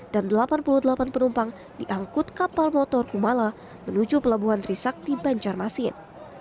dan delapan puluh delapan penumpang diangkut kapal motor kumala menuju pelabuhan trisakti banjarmasin